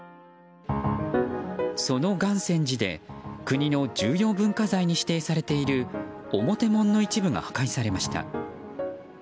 その願泉寺で国の重要文化財に指定されている表門の一部が破壊されました。